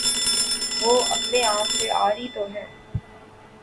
وہ عقل عام سے عاری تو ہے۔